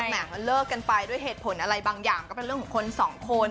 หมายเขาเลิกกันไปด้วยเหตุผลอะไรบางอย่างก็เป็นเรื่องของคนสองคน